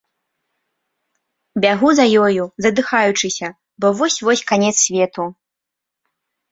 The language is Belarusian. Бягу за ёю, задыхаючыся, бо вось-вось канец свету.